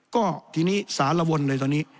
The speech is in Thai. ก็ทีนี้สารวนเลยตอนนี้